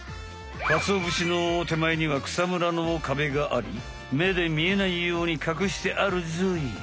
かつおぶしのてまえには草むらのカベがあり目で見えないようにかくしてあるぞい。